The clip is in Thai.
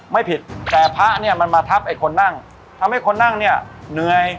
ไม่ผิดแต่พระเนี่ยมันมาทับไอ้คนนั่งทำให้คนนั่งเนี่ยเหนื่อย